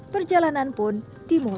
perjalanan pun dimulai